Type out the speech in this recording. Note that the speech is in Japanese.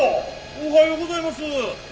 おはようございます。